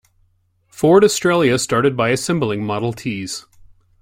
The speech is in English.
Ford Australia started by assembling Model Ts.